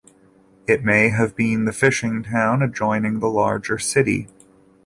It may have been the fishing town adjoining the larger city.